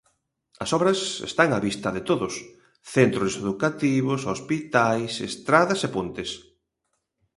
As obras están a vista de todos: centros educativos, hospitais, estradas e pontes.